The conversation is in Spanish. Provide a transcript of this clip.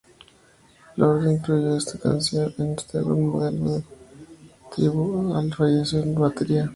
Lordi incluyó esta canción en este álbum a modo de tributo al fallecido batería.